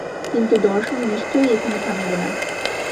কিন্তু দর্শন নিশ্চয়ই এখানে থামিবে না।